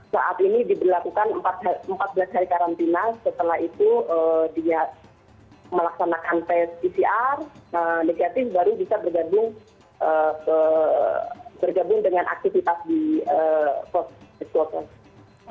saat ini diberlakukan empat belas hari karantina setelah itu dia melaksanakan tes pcr negatif baru bisa bergabung dengan aktivitas di poskotest